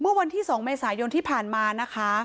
เมื่อวันที่๒เมษายนที่ผ่านมานะคะ